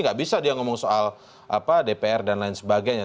nggak bisa dia ngomong soal dpr dan lain sebagainya